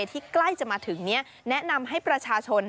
ใกล้จะมาถึงแนะนำให้ประชาชน